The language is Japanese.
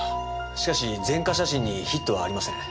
しかし前科写真にヒットはありません。